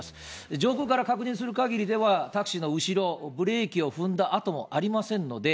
上空から確認するかぎりでは、タクシーの後ろ、ブレーキを踏んだあともありませんので。